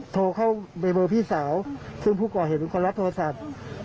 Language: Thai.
โทรเข้าเบอร์พี่สาวซึ่งผู้ก่อเหตุเป็นคนรับโทรศัพท์